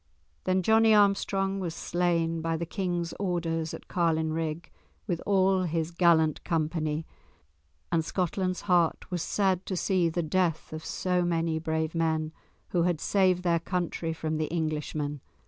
Then Johnie Armstrong was slain by the King's orders at Carlinrigg with all his gallant company, and Scotland's heart was sad to see the death of so many brave men, who had saved their country from the Englishmen.